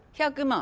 ２００万？